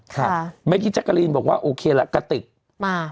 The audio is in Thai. ค่ะแมกกี้แจ๊กาลีนบอกว่าโอเคล่ะกะติกมา